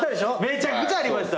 めちゃくちゃありました。